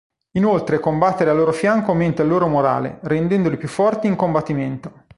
Inoltre, combattere al loro fianco aumenta il loro morale, rendendoli più forti in combattimento.